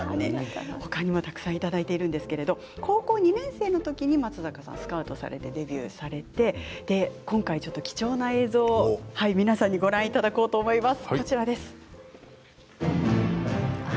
他にもたくさんいただいているんですけれども高校２年生の時に松坂さんはスカウトされてデビューして今回、貴重な映像を皆さんにご覧いただこうと思います。